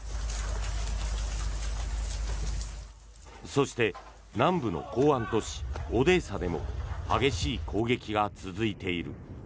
そして南部の港湾都市オデーサでも激しい攻撃が続いている。